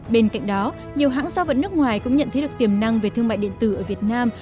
bên cạnh đó nhiều hãng gia vận nước ngoài cũng nhận thấy được tiềm năng về thương mại điện tử ở việt nam